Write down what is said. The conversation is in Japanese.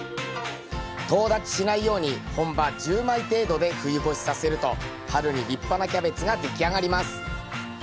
とう立ちしないように本葉１０枚程度で冬越しさせると春に立派なキャベツが出来上がります。